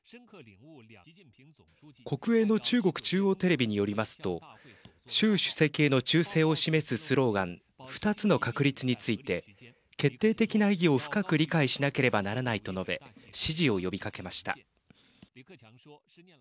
国営の中国中央テレビによりますと習主席への忠誠を示すスローガン２つの確立について決定的な意義を深く理解しなければならないと述べ支持を呼びかけました。